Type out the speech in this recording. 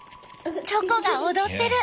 チョコが踊ってる！